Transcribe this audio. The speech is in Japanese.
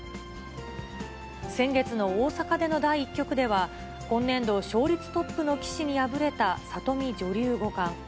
先月の大阪での第１局では、今年度勝率トップの棋士に敗れた里見女流五冠。